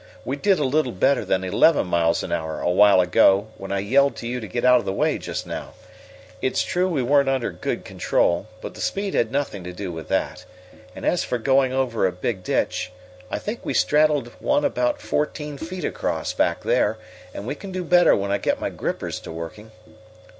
"We did a little better than eleven miles an hour a while ago when I yelled to you to get out of the way just now. It's true we weren't under good control, but the speed had nothing to do with that. And as for going over a big ditch, I think we straddled one about fourteen feet across back there, and we can do better when I get my grippers to working."